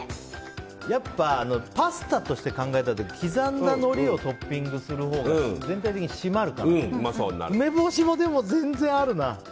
やっぱパスタとして考えた時に刻んだのりをトッピングするほうが全体的に締まるからでも梅干しも全然あるな。